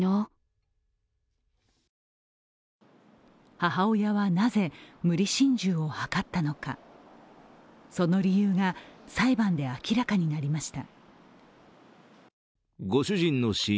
母親はなぜ、無理心中を図ったのかその理由が裁判で明らかになりました。